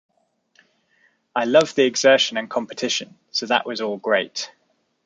I love the exertion and competition, so that was all great.